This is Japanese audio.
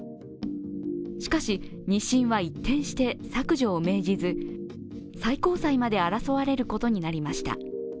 しかし、２審は一転して削除を命じず、最高裁まで争われることになりました。